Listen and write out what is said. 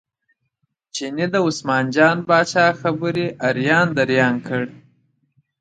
چیني د عثمان جان پاچا خبرې اریان دریان کړ.